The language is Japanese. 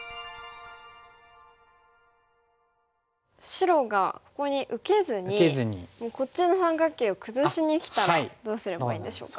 白がここに受けずにこっちの三角形を崩しにきたらどうすればいいんでしょうか。